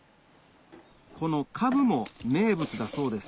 このカブも名物だそうです